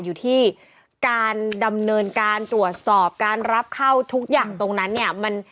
อยู่ที่การดำเนินการตรวจสอบการรับเข้าทุกอย่างตรงนั้นเนี่ย